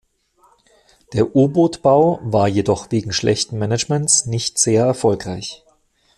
Der U-Boot-Bau war jedoch wegen schlechten Managements nicht sehr erfolgreich.